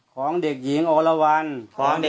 ข้าพเจ้านางสาวสุภัณฑ์หลาโภ